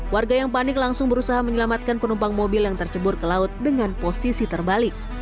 warga yang panik langsung berusaha menyelamatkan penumpang mobil yang tercebur ke laut dengan posisi terbalik